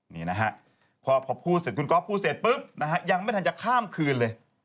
นี่นะฮะพอพูดเสร็จคุณก๊อฟพูดเสร็จปุ๊บนะฮะยังไม่ทันจะข้ามคืนเลย